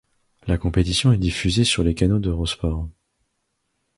La compétition est diffusée sur les canaux d'Eurosport.